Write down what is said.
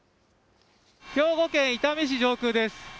兵庫県伊丹市上空です。